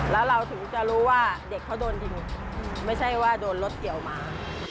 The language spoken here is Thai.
แล้วเราถึงจะรู้ว่าเด็กเขาโดนยิงไม่ใช่ว่าโดนรถเกี่ยวมา